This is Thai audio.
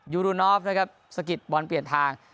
รูนอฟนะครับสะกิดบอลเปลี่ยนทาง